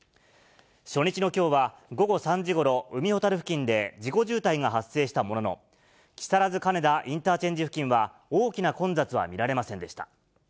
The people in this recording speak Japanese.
初日のきょうは、午後３時ごろ、海ほたる付近で事故渋滞が発生したものの、木更津金田インターチェンジ付近は、大きな混雑は見られませんでした。